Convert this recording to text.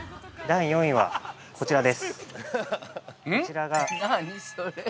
◆第４位は、こちらです。